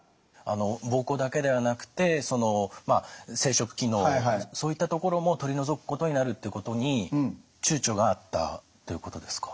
膀胱だけではなくて生殖機能そういったところも取り除くことになるってことにちゅうちょがあったということですか。